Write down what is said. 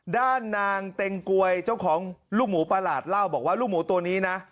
ด้านนางเต็งกวยเจ้าของลูกหมูประหลาดเล่าบอกว่าลูกหมูตัวนี้นะ